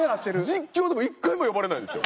実況でも１回も呼ばれないんですよ。